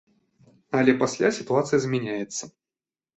Але пасля сітуацыя змяняецца.